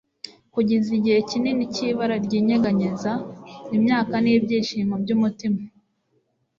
kugeza igihe kinini cyibara ryinyeganyeza imyaka nibyishimo byumutima